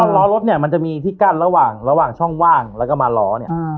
ล้อรถเนี่ยมันจะมีที่กั้นระหว่างระหว่างช่องว่างแล้วก็มาล้อเนี่ย